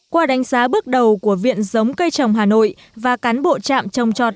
qua đánh giá bước đầu của viện giống cây trồng hà nội và cán bộ trạm trồng trọt